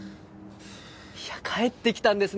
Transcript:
いや帰ってきたんですね。